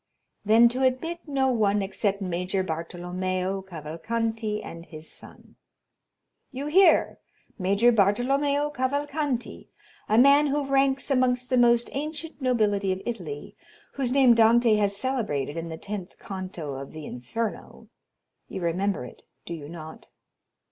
"Then to admit no one except Major Bartolomeo Cavalcanti and his son." "You hear—Major Bartolomeo Cavalcanti—a man who ranks amongst the most ancient nobility of Italy, whose name Dante has celebrated in the tenth canto of The Inferno, you remember it, do you not?